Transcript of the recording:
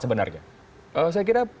sebenarnya saya kira